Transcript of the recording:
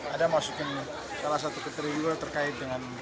ada masukin salah satu kriteri juga terkait dengan